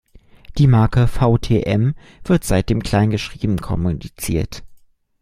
Die Marke vtm wird seitdem kleingeschrieben kommuniziert.